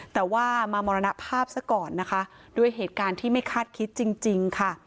แต่ว่ามามรณภาพซะก่อนนะคะด้วยเหตุการณ์ที่ไม่คาดคิดจริงค่ะ